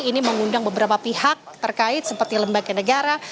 ini mengundang beberapa pihak terkait seperti lembaga negara